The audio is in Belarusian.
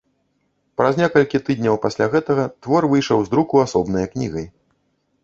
Праз некалькі тыдняў пасля гэтага твор выйшаў з друку асобнае кнігай.